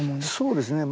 そうですね。